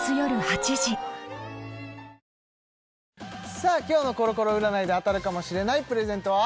さあ今日のコロコロ占いで当たるかもしれないプレゼントは？